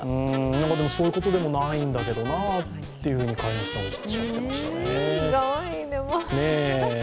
でもそういうことでもないんだけどなと、飼い主さんおっしゃってましたね。